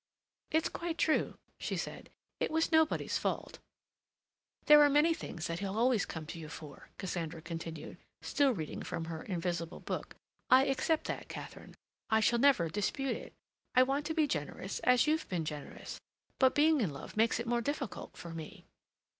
"It's quite true," she said. "It was nobody's fault." "There are many things that he'll always come to you for," Cassandra continued, still reading from her invisible book. "I accept that, Katharine. I shall never dispute it. I want to be generous as you've been generous. But being in love makes it more difficult for me."